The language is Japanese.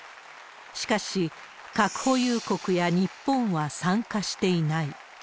しかし、核保有国や日本は参加していない。